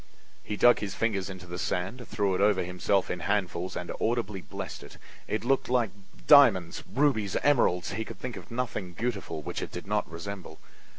He dug his fingers into the sand, threw it over himself in handfuls and audibly blessed it. It looked like diamonds, rubies, emeralds; he could think of nothing beautiful which it did not resemble.